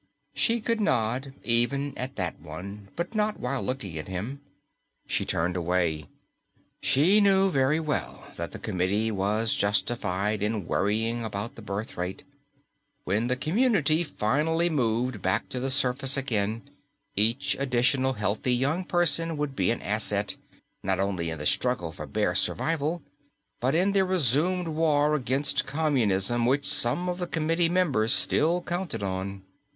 She could nod even at that one, but not while looking at him. She turned away. She knew very well that the Committee was justified in worrying about the birth rate. When the community finally moved back to the surface again, each additional healthy young person would be an asset, not only in the struggle for bare survival, but in the resumed war against Communism which some of the Committee members still counted on.